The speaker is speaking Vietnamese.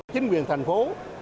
chính quyền thành phố